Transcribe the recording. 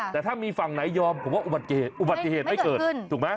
แต่ถ้ามีฝั่งไหนยอมผมว่าอุบัติเหตุอุบัติเหตุไม่เกิดถูกไหม